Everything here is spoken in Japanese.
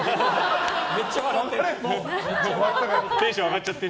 めっちゃ笑ってる。